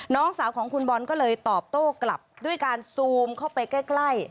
น้องสาวของคุณบอลก็เลยตอบโต้กลับด้วยการซูมเข้าไปใกล้